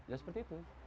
ya seperti itu